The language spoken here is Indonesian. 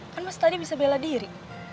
kan mas tadi bisa bela diri